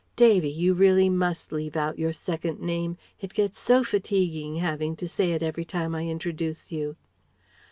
Davy! You really must leave out your second name! It gets so fatiguing having to say it every time I introduce you."